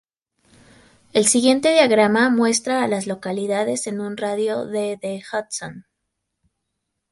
El siguiente diagrama muestra a las localidades en un radio de de Hudson.